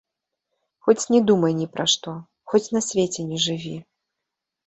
Хоць не думай ні пра што, хоць на свеце не жыві!